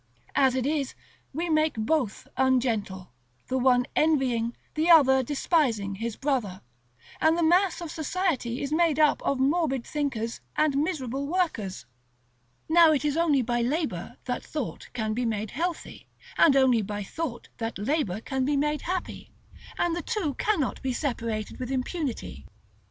As it is, we make both ungentle, the one envying, the other despising, his brother; and the mass of society is made up of morbid thinkers, and miserable workers. Now it is only by labor that thought can be made healthy, and only by thought that labor can be made happy, and the two cannot be separated with impunity.